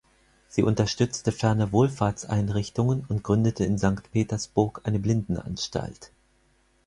Sie unterstützte ferner Wohlfahrtseinrichtungen und gründete in Sankt Petersburg eine Blindenanstalt.